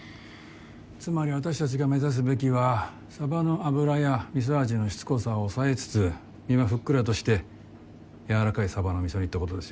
つまり私たちが目指すべきはサバの脂や味噌味のしつこさは抑えつつ身はふっくらとしてやわらかいサバの味噌煮ってことですよね。